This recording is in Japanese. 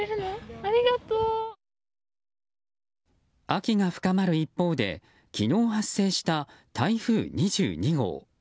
秋が深まる一方で昨日発生した台風２２号。